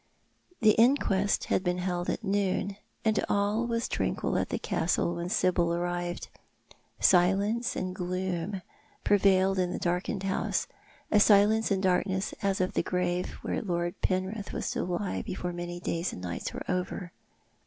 The inquest had been held at noon, and all was tranquil at the Castle when Sibyl arrived. Silence and gloom prevailed in the darkened house — a silence and a darkness as of the grave where Lord Penrith was to lie before many days and nights were over.